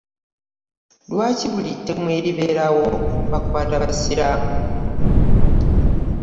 Lwaki buli ttemu eriberawo bakwata basiraamu.